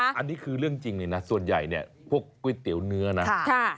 อันนี้คือเรื่องจริงเลยนะส่วนใหญ่เนี่ยพวกก๋วยเตี๋ยวเนื้อนะ